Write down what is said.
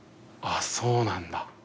あっそうなんだ。